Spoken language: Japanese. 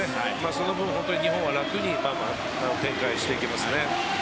その分日本は楽に展開していけますね。